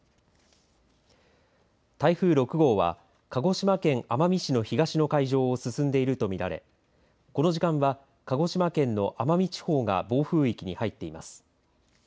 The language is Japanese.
台風６号は鹿児島県奄美市の東の海上を進んでいると見られこの時間は鹿児島県の奄美地方が暴風域に入っています。